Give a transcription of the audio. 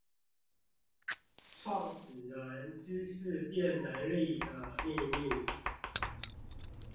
創始人知識變能力的祕密